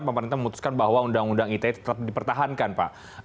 pemerintah memutuskan bahwa undang undang ite tetap dipertahankan pak